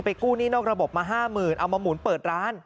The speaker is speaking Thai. กู้หนี้นอกระบบมา๕๐๐๐เอามาหมุนเปิดร้าน